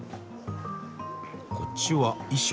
こっちは衣装？